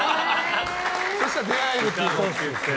そしたら出会えると。